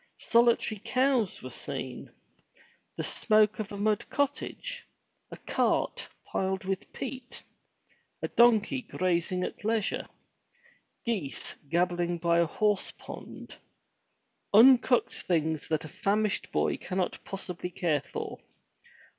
Solitary cows were seen; the smoke of a mud cottage; a cart piled with peat; a donkey grazing at leisure; geese gabbling by a horse pond; uncooked things that a famishing boy cannot possibly care for.